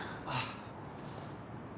ああ。